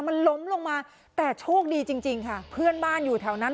มันล้มลงมาแต่โชคดีจริงจริงค่ะเพื่อนบ้านอยู่แถวนั้น